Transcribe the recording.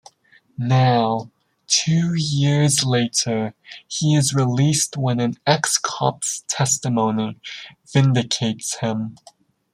Now, two years later, he is released when an ex-cop's testimony vindicates him.